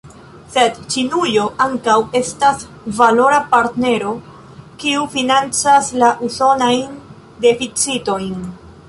Sed Ĉinujo ankaŭ estas valora partnero, kiu financas la usonajn deficitojn.